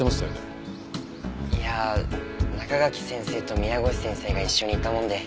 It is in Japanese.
いや中垣先生と宮越先生が一緒にいたもんで。